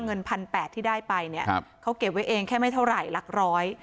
เงินพันแปดที่ได้ไปเนี่ยเขาเก็บไว้เองแค่ไม่เท่าไหร่หลักร้อย